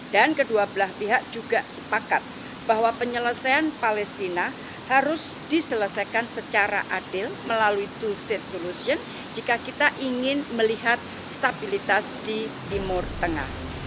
dan kedua belah pihak juga sepakat bahwa penyelesaian palestina harus diselesaikan secara adil melalui two state solution jika kita ingin melihat stabilitas di timur tengah